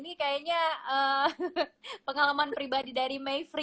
ini kayaknya pengalaman pribadi dari mayfrie nih